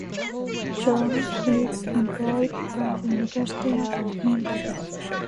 John is employed by the University of Memphis.